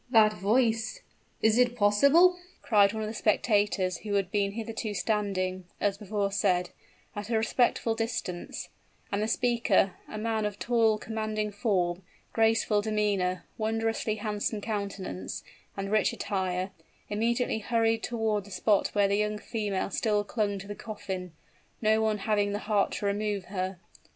"That voice! is it possible?" cried one of the spectators who had been hitherto standing, as before said, at a respectful distance: and the speaker a man of tall, commanding form, graceful demeanor, wondrously handsome countenance, and rich attire immediately hurried toward the spot where the young female still clung to the coffin, no one having the heart to remove her.